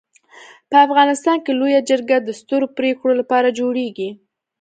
په افغانستان کي لويه جرګه د سترو پريکړو لپاره جوړيږي.